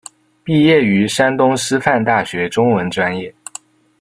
毕业于山东师范大学中文专业。